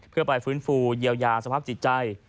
เพื่อไปฟื้นฟูเยียวยาสภาพจิตใจ